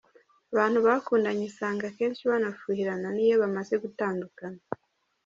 Abantu bakundanye usanga akenshi banafuhirana n’iyo bamaze gutandukana.